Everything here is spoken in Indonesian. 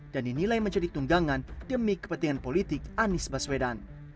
dan dinilai menjadi tunggangan demi kepentingan politik anies baswedan